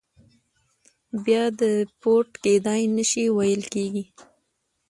بیا دیپورت کېدای نه شي ویل کېږي.